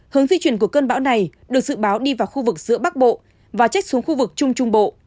hướng di chuyển của cơn bão này được dự báo đi vào khu vực giữa bắc bộ và chết xuống khu vực trung trung bộ